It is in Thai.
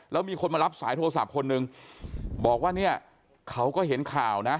แล้วมีคนมารับสายโทรศัพท์คนนึงบอกว่าเนี่ยเขาก็เห็นข่าวนะ